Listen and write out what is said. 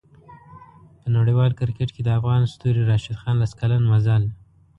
په نړیوال کریکټ کې د افغان ستوري راشد خان لس کلن مزل